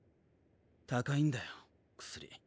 高いんだよ薬。